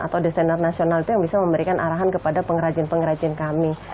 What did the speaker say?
atau desainer nasional itu yang bisa memberikan arahan kepada pengrajin pengrajin kami